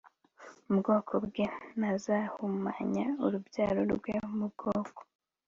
mu bwoko bwe Ntazahumanye urubyaro rwe mu bwoko